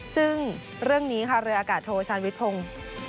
ซึ่งเรื่องนี้คารยวยอากาศโทว์ชาญวิทย์วงค์องศ์